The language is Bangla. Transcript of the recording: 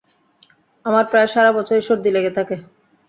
আমার প্রায় সারা বছরই সর্দি লেগে থাকে।